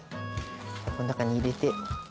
こん中に入れて。